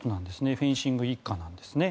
フェンシング一家なんですね。